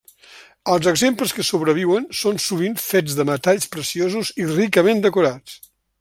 Els exemples que sobreviuen són sovint fets de metalls preciosos i ricament decorats.